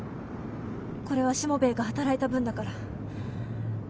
これはしもべえが働いた分だから。